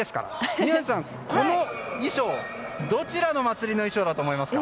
宮司さん、この衣装はどちらの祭りの衣装だと思いますか？